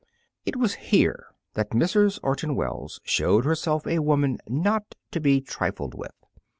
It was here that Mrs. Orton Wells showed herself a woman not to be trifled with.